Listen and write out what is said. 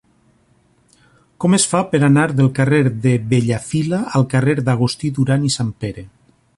Com es fa per anar del carrer de Bellafila al carrer d'Agustí Duran i Sanpere?